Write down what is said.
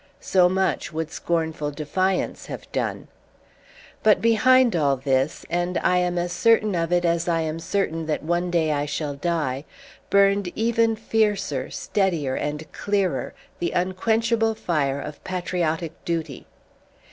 So much would scornful defiance have done. But behind all this and I am as certain of it as I am certain that one day I shall die burned even fiercer, steadier, and clearer the unquenchable fire of patriotic duty.